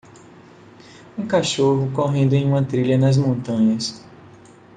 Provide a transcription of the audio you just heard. Um cachorro correndo em uma trilha nas montanhas